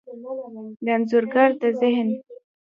د انځورګر د ذهن،